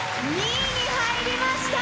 ２位に入りました。